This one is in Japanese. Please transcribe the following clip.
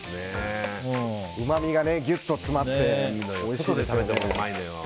うまみがギュッと詰まって美味しいですよね。